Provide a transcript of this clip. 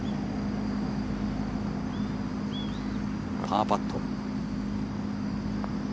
パーパット。